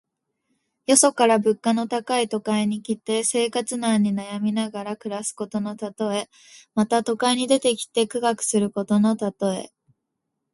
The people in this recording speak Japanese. よそから物価の高い都会に来て、生活難に悩みながら暮らすことのたとえ。また、都会に出てきて苦学することのたとえ。